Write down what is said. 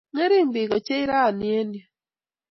ngering biik ochei rani eng yuu